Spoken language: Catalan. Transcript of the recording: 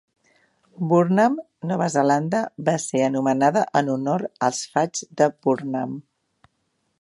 Burnham, Nova Zelanda va ser anomenada en honor als faigs de Burnham.